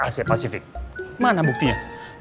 asia pasifik mana buktinya